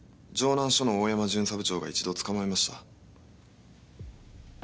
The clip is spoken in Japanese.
城南署の大山巡査部長が一度捕まえました。